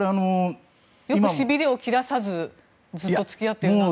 よくしびれを切らさずずっと付き合ってるなと。